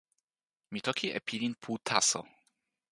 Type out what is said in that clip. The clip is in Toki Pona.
mi toki e pilin pu taso.